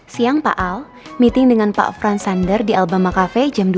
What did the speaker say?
siang pak al meeting dengan pak franz sander di alabama café jam empat belas